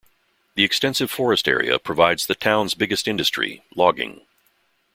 The extensive forest area provides the town's biggest industry, logging.